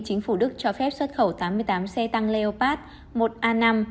chính phủ đức cho phép xuất khẩu tám mươi tám xe tăng leopard một a năm